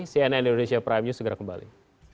cnn indonesia prime news segera kembali